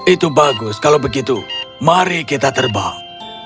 itu bagus kalau begitu mari kita terbang